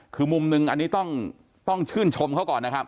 คือมุมหนึ่งอันนี้ต้องชื่นชมเขาก่อนนะครับ